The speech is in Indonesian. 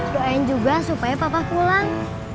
doain juga supaya papa pulang